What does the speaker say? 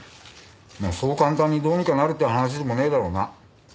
まあそう簡単にどうにかなるって話でもねえだろうな。